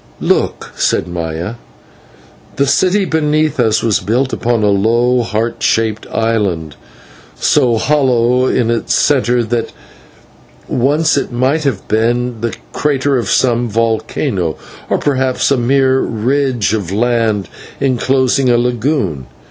"Look," said Maya. The city beneath us was built upon a low, heart shaped island, so hollow in its centre that once it might have been the crater of some volcano, or perhaps a mere ridge of land inclosing a lagoon.